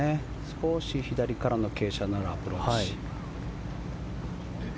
少し左からの傾斜があるアプローチ。